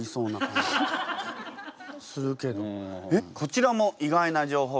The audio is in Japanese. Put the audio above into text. えっ何かこちらも意外な情報。